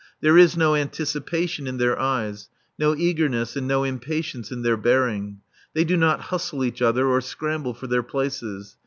There is no anticipation in their eyes; no eagerness and no impatience in their bearing. They do not hustle each other or scramble for their places.